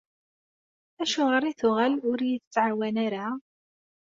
Acuɣer i tuɣal ur iyi-tettɛawan ara?